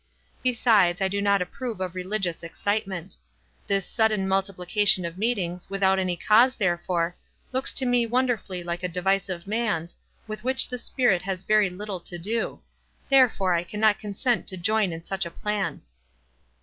Besides, I do not approve of religious excitement. This sudden multiplication of meetings, without any cause therefor, looks to me wonderfully like a device of man's, with which the Spirit has very little to do ; therefore I can not cousent to join in such a plan."